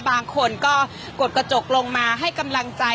บางคนก็กดกระจกลงมาให้กำลังใจ